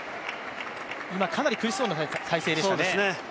今かなり苦しそうな体勢でしたね。